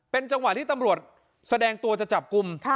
จังหวะที่ตำรวจแสดงตัวจะจับกลุ่ม